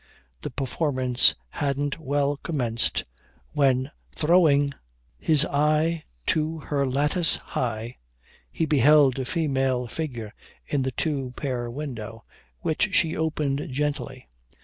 The performance hadn't well commenced, when, throwing "his eye To her lattice high," he beheld a female figure at the two pair window, which she opened gently.